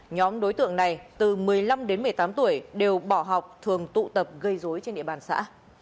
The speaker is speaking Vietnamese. nhóm đối tượng này từ một mươi năm đến một mươi tám tuổi đều bỏ học thường tụ tập gây dối trên địa bàn xã